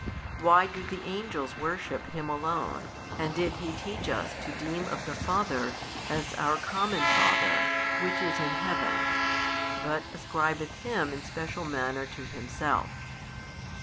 why do the Angels worship Him Alone, and did He teach us to deem of the Father as our common Father which is in Heaven, but ascribeth Him in special manner to Himself?